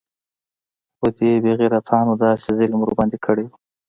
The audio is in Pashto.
خو دې بې غيرتانو داسې ظلم ورباندې کړى و.